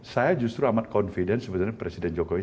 saya justru amat confident sebenarnya presiden jokowi